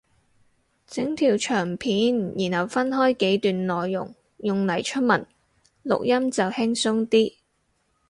整條長片然後分開幾段內容用嚟出文錄音就輕鬆啲